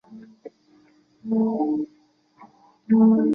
第一群接触库朱瓦克的欧洲人是摩拉维亚弟兄会。